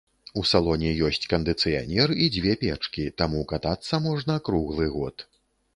У салоне ёсць кандыцыянер і дзве печкі, таму катацца можна круглы год.